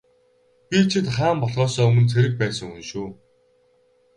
Би чинь хаан болохоосоо өмнө цэрэг байсан хүн шүү.